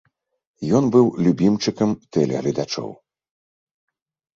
Ён быў любімчыкам тэлегледачоў.